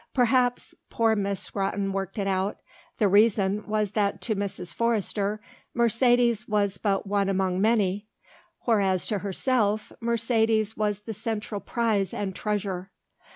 Perhaps, poor Miss Scrotton worked it out, the reason was that to Mrs. Forrester Mercedes was but one among many, whereas to herself Mercedes was the central prize and treasure.